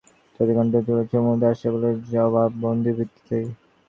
তবে BPL fixing নিয়ে আকসুর তদন্ত চলেছে মূলত আশরাফুলের জবানবন্দির ভিত্তিতেই।